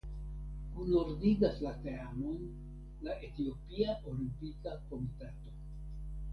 Kunordigas la teamon la Etiopia Olimpika Komitato.